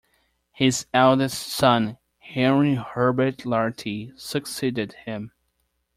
His eldest son, Henry Herbert Lartey, succeeded him.